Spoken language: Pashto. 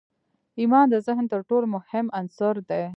ایمان د ذهن تر ټولو مهم عنصر دی